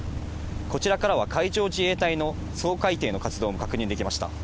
こちらからは海上自衛隊の掃海艇の活動も確認できました。